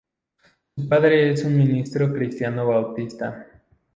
Su padre es un ministro cristiano bautista.